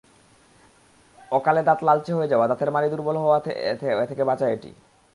অকালে দাঁত লালচে হয়ে যাওয়া, দাঁতের মাড়ি দুর্বল হওয়া থেকে বাঁচায় এটি।